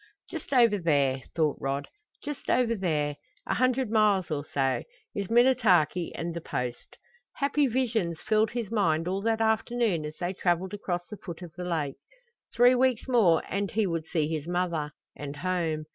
Just over there, thought Rod just over there a hundred miles or so, is Minnetaki and the Post! Happy visions filled his mind all that afternoon as they traveled across the foot of the lake. Three weeks more and he would see his mother and home.